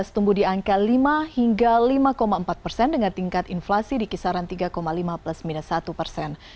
tumbuh di angka lima hingga lima empat persen dengan tingkat inflasi di kisaran tiga lima plus minus satu persen